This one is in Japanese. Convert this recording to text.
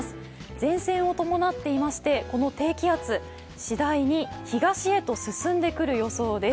前線を伴っていまして、この低気圧しだいに東へと進んでくる予想です。